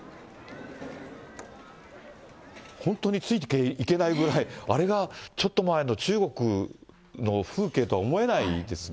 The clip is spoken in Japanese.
本当についていけないぐらい、あれがちょっと前の中国の風景とは思えないですが。